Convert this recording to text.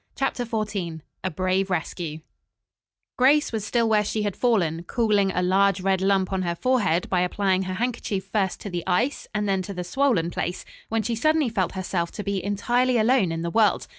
CHAPTER XIV A BRAVE RESCUE Grace was still where she had fallen, cooling a large, red lump on her forehead by applying her handkerchief first to the ice and then to the swollen place, when she suddenly felt herself to be entirely alone in the world.